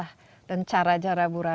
katanya mungkin ada ah